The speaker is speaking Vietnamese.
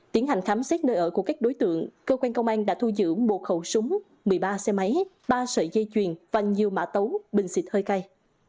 tiến hành khám xét nơi ở của các đối tượng cơ quan công an đã thu giữ một khẩu súng một mươi ba xe máy ba sợi dây chuyền và nhiều mã tấu bình xịt hơi cay